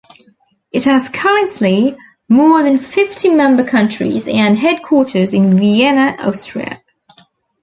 It has currently more than fifty member countries and headquarters in Vienna, Austria.